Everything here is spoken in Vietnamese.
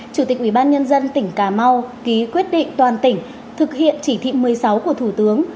chủ tịch ubnd tỉnh cà mau ký quyết định toàn tỉnh thực hiện chỉ thị một mươi sáu của thủ tướng